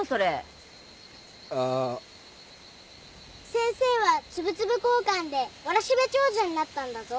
先生はつぶつぶこーかんでわらしべ長者になったんだぞ。